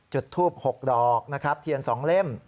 จุดทูป๖ดอกนะครับเทียน๒เล่ม